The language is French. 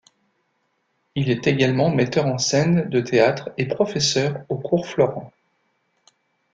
Il est également metteur en scène de théâtre et professeur au Cours Florent.